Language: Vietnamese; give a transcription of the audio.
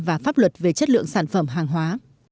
và pháp luật về chất lượng sản phẩm hàng hóa